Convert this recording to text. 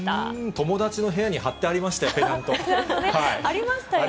友達の部屋にはってありましありましたよね。